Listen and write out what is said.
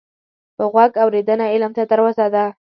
په غوږ اورېدنه علم ته دروازه ده